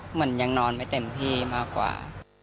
เหมือนยังนอนไม่เต็มที่มากกว่า